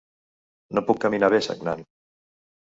No puc caminar bé sagnant.